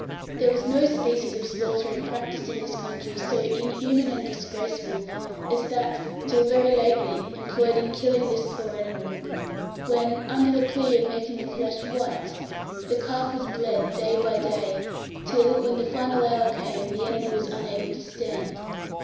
853. THERE WAS NO SPECIES OF SLAUGHTERING practised in this country so inhuman and disgraceful as that, till very lately, employed in killing this poor animal; when, under the plea of making the flesh white, the calf was bled day by day, till, when the final hour came, the animal was unable to stand.